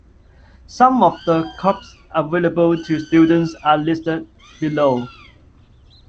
Some of the clubs available to students are listed below.